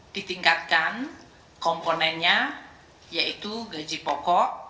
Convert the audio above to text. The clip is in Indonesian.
ditingkatkan komponennya yaitu gaji pokok